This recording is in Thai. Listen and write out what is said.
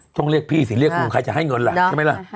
ต้องเรียกพี่สิเรียกลุงใครจะให้เงินล่ะใช่ไหมล่ะ